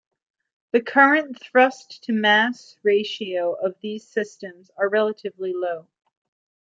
The current thrust-to mass ratios of these systems are relatively low.